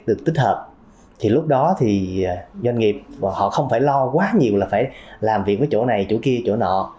được tích hợp thì lúc đó thì doanh nghiệp họ không phải lo quá nhiều là phải làm việc với chỗ này chỗ kia chỗ nọ